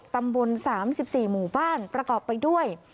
ตำบล๓๔หมู่บ้านประกอบไปด้วย